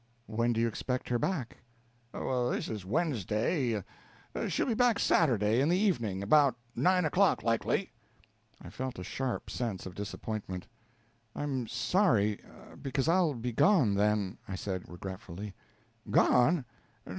"When do you expect her back?" "This is Wednesday. She'll be back Saturday, in the evening about nine o'clock, likely." I felt a sharp sense of disappointment. "I'm sorry, because I'll be gone then," I said, regretfully. "Gone?